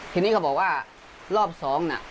ทีนี้เขาบอกว่ารอบสองน่ะ